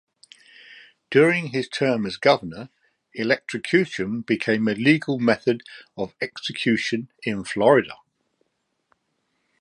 During his term as governor electrocution became a legal method of execution in Florida.